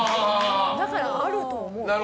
だからあると思う。